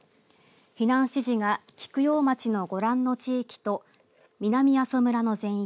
避難指示が菊陽町のご覧の地域と南阿蘇村の全域。